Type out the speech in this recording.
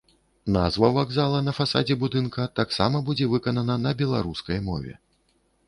Назва вакзала на фасадзе будынка таксама будзе выканана на беларускай мове.